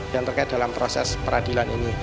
yang terkait dalam proses peradilan ini